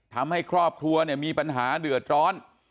ทำให้ครอบครัวเนี่ยมีปัญหาเดือดร้อน